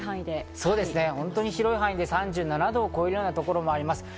本当に広い範囲で３７度を超えるところもあります。